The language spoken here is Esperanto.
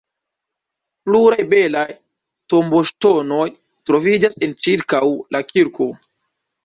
Pluraj belaj tomboŝtonoj troviĝas ĉirkaŭ la kirko.